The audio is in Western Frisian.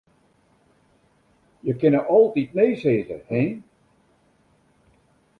Je kinne altyd nee sizze, hin.